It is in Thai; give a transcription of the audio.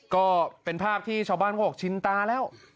ก็เป็นภาพที่ชาวบ้านว่าฉิงตาแล้ว